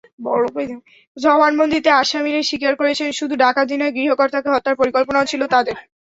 জবানবন্দিতে আসামিরা স্বীকার করেছেন, শুধু ডাকাতি নয়, গৃহকর্তাকে হত্যার পরিকল্পনাও ছিল তাঁদের।